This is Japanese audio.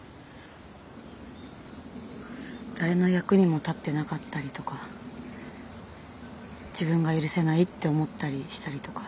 誰の役にも立ってなかったりとか自分が許せないって思ったりしたりとか。